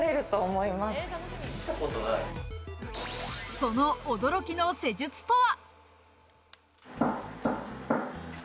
その驚きの施術とは？